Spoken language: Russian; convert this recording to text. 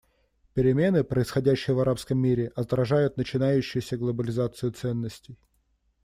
Перемены, происходящие в арабском мире, отражают начинающуюся глобализацию ценностей.